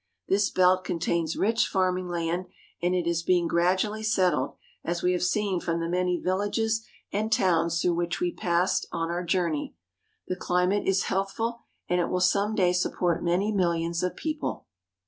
This belt contains rich farming land, and it is being gradually settled, as we have seen from the many villages and towns through which we passed on our journey. The cHmate is healthful, and it will some day support many millions of people.